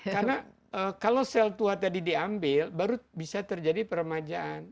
karena kalau sel tua tadi diambil baru bisa terjadi permajaan